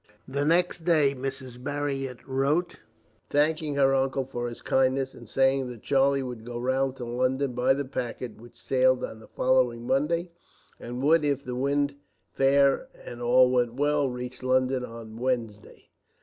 The next day, Mrs. Marryat wrote thanking her uncle for his kindness, and saying that Charlie would go round to London by the packet which sailed on the following Monday; and would, if the wind were fair and all went well, reach London on the Wednesday.